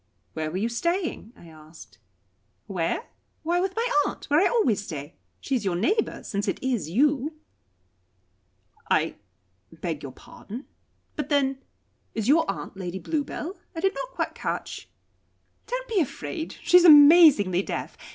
"Where were you staying?" I asked. "Where? Why, with my aunt, where I always stay. She is your neighbour, since it is you." "I beg your pardon but then is your aunt Lady Bluebell? I did not quite catch " "Don't be afraid. She is amazingly deaf.